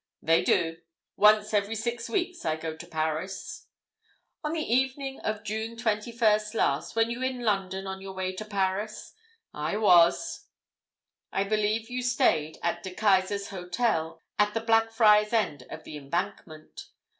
"They do—once every six weeks I go to Paris." "On the evening of June 21st last were you in London on your way to Paris?" "I was." "I believe you stayed at De Keyser's Hotel, at the Blackfriars end of the Embankment?"